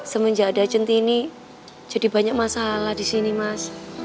semenjak ada jentini jadi banyak masalah di sini mas